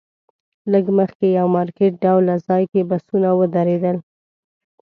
لږ مخکې یو مارکیټ ډوله ځای کې بسونه ودرېدل.